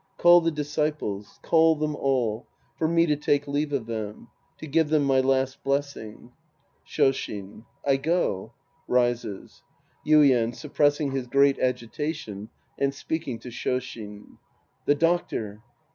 Call the disciples. Call them all. For me to take leave of them. To give them my last bles sing. Shoshin. I go. (Rises.) Yuien {suppressing his great agitation and speaking to Shoshin). The doctor.